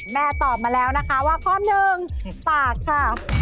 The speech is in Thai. ตอบมาแล้วนะคะว่าข้อหนึ่งปากค่ะ